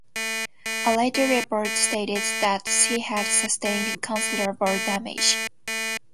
A later report stated that she had sustained considerable damage.